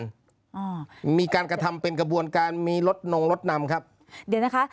อ่ามีการกระทำเป็นกระบวนการมีรถนงรถนำครับเดี๋ยวนะคะ